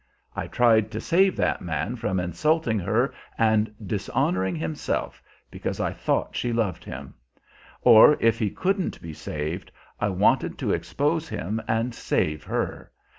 I tried to save that man from insulting her and dishonoring himself, because I thought she loved him. Or, if he couldn't be saved, I wanted to expose him and save her.